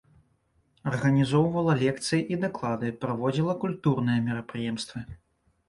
Арганізоўвала лекцыі і даклады, праводзіла культурныя мерапрыемствы.